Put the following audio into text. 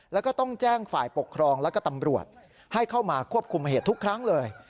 แล้วก็ต้องแจ้งฝ่ายปกครองแล้วก็ตำรวจให้เข้ามาควบคุมเหตุทุกครั้งเลย